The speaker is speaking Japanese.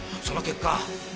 その結果。